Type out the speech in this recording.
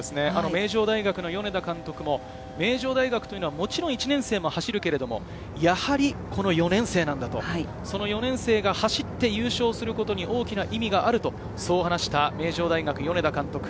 名城大学の米田監督も、名城大学というのはもちろん１年生も走るけれど、やはり４年生なんだと、４年生が走って優勝することに大きな意味があると、そう話した名城大学・米田監督。